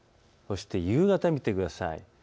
そして夕方を見てください。